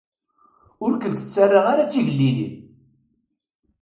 Ur kent-ttaraɣ ara d tigellilin.